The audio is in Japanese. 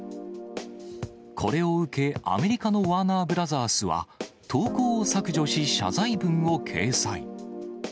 これを受け、アメリカのワーナー・ブラザースは投稿を削除し、謝罪文を掲載。